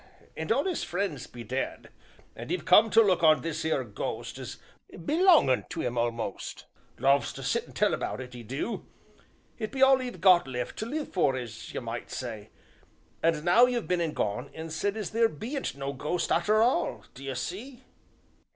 and all 'is friends be dead, and he've come to look on this 'ere ghost as belongin' to 'im a'most. Loves to sit an' tell about it, 'e do; it be all 'e've got left to live for, as ye might say, and now you've been and gone and said as theer bean't no ghost arter all, d'ye see?"